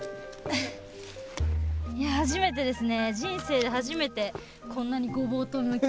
いやぁ初めてですね。